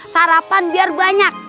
sarapan biar banyak